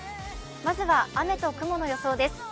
まずは雨と雲の予想です。